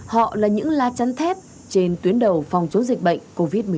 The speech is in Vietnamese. họ là những la chăn thép trên tuyến đầu phòng chống dịch bệnh covid một mươi chín